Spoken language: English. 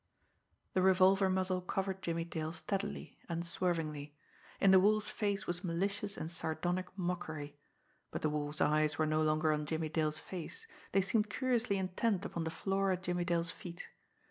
The revolver muzzle covered Jimmie Dale steadily, unswervingly; in the Wolf's face was malicious and sardonic mockery but the Wolf's eyes were no longer on Jimmie Dale's face, they seemed curiously intent upon the floor at Jimmie Dale's feet.